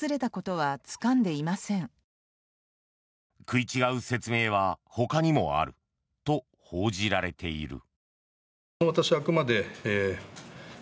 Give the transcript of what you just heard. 食い違う説明はほかにもあると報じられている。